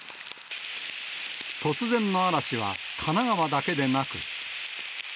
突然の嵐は神奈川だけでなく。